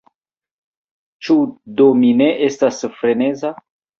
Ĉu do mi ne estas freneza?